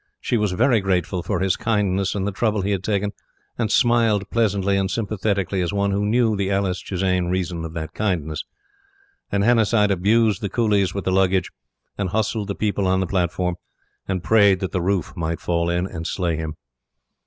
She was very grateful for his kindness and the trouble he had taken, and smiled pleasantly and sympathetically as one who knew the Alice Chisane reason of that kindness. And Hannasyde abused the coolies with the luggage, and hustled the people on the platform, and prayed that the roof might fall in and slay him.